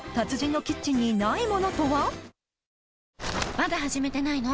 まだ始めてないの？